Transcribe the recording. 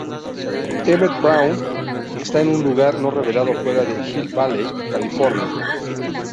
Emmett Brown está en un lugar no revelado fuera de Hill Valley, California.